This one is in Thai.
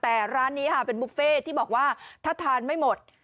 แต่ร้านนี้ค่ะเป็นบุฟเฟ่ที่บอกว่าถ้าทานไม่หมด